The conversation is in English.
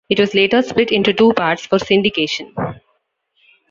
It was later split into two parts for syndication.